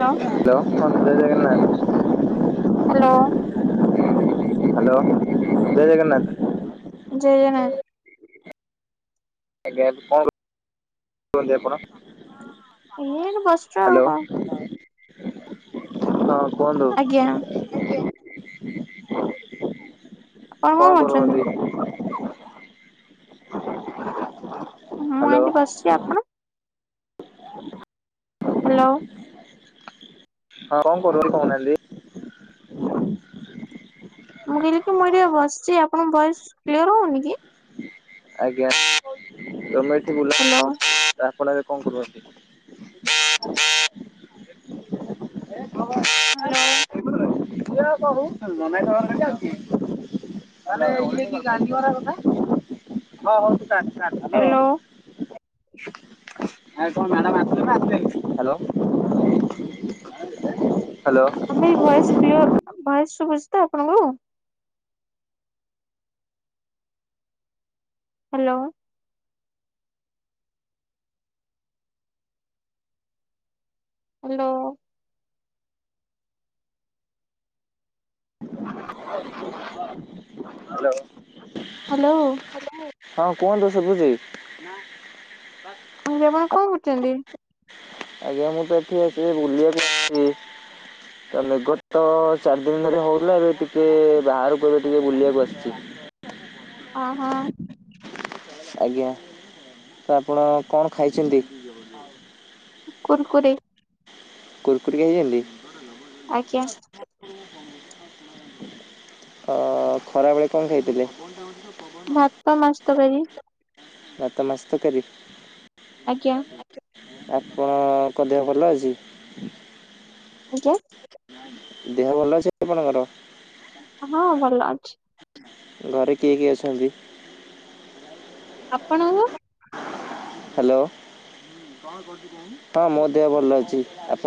Hello. Hello ଜୟ Jagannath. Hello. Hello ଜୟ ଜଗନ୍ନାଥ। ଜୟ ଜଗନ୍ନାଥ। ଆଜ୍ଞା କଣ? [unintelligible] ଆପଣ ଏଇ ଏଠି ବସିଛୁ ଆଉ କଣ ହ୍ୟାଲୋ। ହଁ କୁହନ୍ତୁ ଆଜ୍ଞା ଆପଣ କଣ କରୁ କରୁଛନ୍ତି? ଅନ୍ତି ମୁଁ ଏଇଠି ବସିଛି ଆପଣ? ହାଲୋ। ହଁ କନ୍ [unintelligible] କହୁନାହାନ୍ତି। ମୁଁ କହିଲି କି ମୁଁ ଏଠି ବସିଛି। ଆପଣଙ୍କ ଭଏସ୍ କ୍ଲିୟର୍ ହଉନିକି? ଆଜ୍ଞା ତମେ ଏଠି ବୁଲୁ ହ୍ୟାଲୋ। [unintelligible] ଆପଣ ଏବେ କଣ୍ କରୁଛନ୍ତି? ହେ ହାଲୋ। [unintelligible] ତାଲେ ଇଏ‌ କି ଗାଣ୍ଡିମରା କଥା ହ ହ‌ଉ ତୁ କାଟ୍ କାଟ୍। ହ୍ୟାଲୋ ହାଲୋ ଆଜ୍ଞା କଣ ମ୍ୟାଡ଼ମ୍ ଆସିଲେ ନା ଆସିଲେନି? Hello, hello. ହଁ ଭାଇ ଭଏସ କ୍ଲିୟର ଭଏସ୍ ଶୁଭୁଛି ତ ଆପଣଙ୍କୁ? ହାଲୋ। ହାଲୋ। [unintelligible] Hello hello. ହଁ କୁହନ୍ତୁ ଶୁଭୁଛି। [unintelligible] କହୁଛନ୍ତି? ଆଜ୍ଞା ମୁଁ ତ ଏଠି ଏବେ ବୁଲିବାକୁ [inaudible] ସି ତ ମେଘତ ଚାରି ଦିନି ଧରି ହଉଥିଲା। ଏବେ ଟିକେ ବାହାରକୁ ଏବେ ଟିକେ ବୁଲିବାକୁ ଆସିଚି। ହଁ ହଁ। ଆଜ୍ଞା ତ ଆପଣ କଣ ଖାଇଛନ୍ତି? କୁର୍କୁରି କୁର୍କୁରି ଖାଇଛନ୍ତି। ଆଜ୍ଞା। ଓ ଖରାବେଳେ କଣ ଖାଇଥିଲେ? [unintelligible] ଭାତ ମାଛ ତରକାରୀ- ଭାତ ମାଛ ତରକାରୀ ଆଜ୍ଞା। ଆପଣଙ୍କ ଦେହ ଭଲ ଅଛି? ଆଜ୍ଞା ଦେହ ଭଲ ଅଛି ଆପଣଙ୍କର ହଁ ଭଲ ଅଛି ଘରେ କିଏ କିଏ ଅଛନ୍ତି? ଆପଣଙ୍କ ହାଲୋ। ହଁ ମୋ ଦେହ ଭଲ ଅଛି। ଆପ